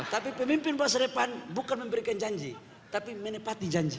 tapi pemimpin masa depan bukan memberikan janji tapi menepati janji